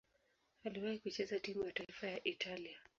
Aliwahi kucheza timu ya taifa ya Italia.